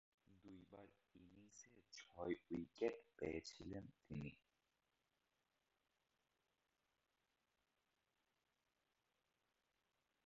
দুইবার ইনিংসে ছয়-উইকেট পেয়েছিলেন তিনি।